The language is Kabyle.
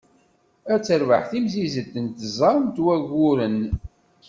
Ad terbeḥ timsizelt n tẓa n wagguren.